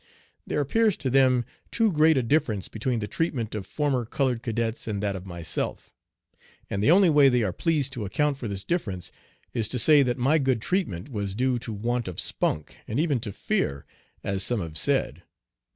There appears to them too great a difference between the treatment of former colored cadets and that of myself, and the only way they are pleased to account for this difference is to say that my good treatment was due to want of "spunk," and even to fear, as some have said.